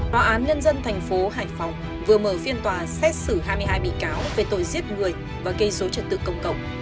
tòa án nhân dân thành phố hải phòng vừa mở phiên tòa xét xử hai mươi hai bị cáo về tội giết người và gây dối trật tự công cộng